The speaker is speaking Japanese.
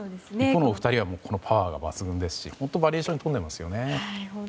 一方、２人はパワーが抜群ですし本当バリエーションにとんでますよね。